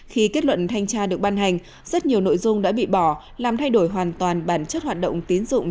khi kết luận thanh tra được ban hành rất nhiều nội dung đã bị bỏ làm thay đổi hoàn toàn bản chất hoạt động tiến dụng